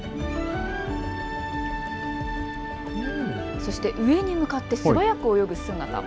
そして上に向かって素早く泳ぐ姿も。